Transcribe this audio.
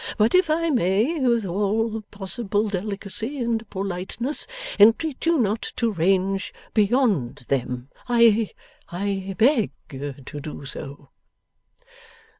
But if I may, with all possible delicacy and politeness, entreat you not to range beyond them, I I beg to do so.